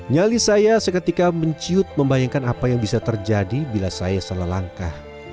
nyali saya seketika menciut membayangkan apa yang bisa terjadi bila saya salah langkah